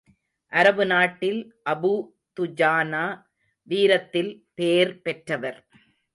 அரபு நாட்டில், Abu Dujana வீரத்தில் பேர் பெற்றவர்.